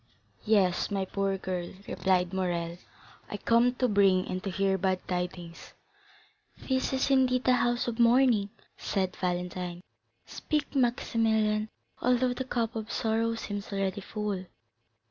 "Yes, my poor girl," replied Morrel; "I come to bring and to hear bad tidings." "This is, indeed, a house of mourning," said Valentine; "speak, Maximilian, although the cup of sorrow seems already full."